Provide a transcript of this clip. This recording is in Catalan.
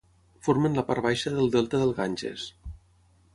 Formen la part baixa del delta del Ganges.